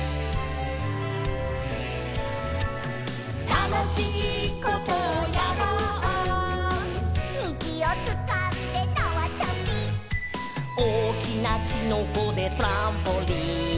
「たのしいことをやろう」「にじをつかんでなわとび」「おおきなキノコでトランポリン」